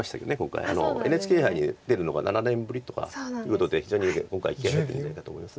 ＮＨＫ杯に出るのが７年ぶりとかいうことで非常に今回気合い入ってるんじゃないかと思います。